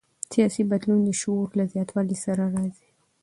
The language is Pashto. سیاسي بدلون د شعور له زیاتوالي سره راځي